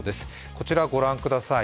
こちらご覧ください。